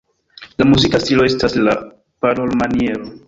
La muzika stilo estas la parolmaniero.